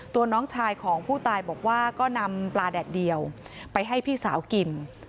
น้องชายของผู้ตายบอกว่าก็นำปลาแดดเดียวไปให้พี่สาวกิน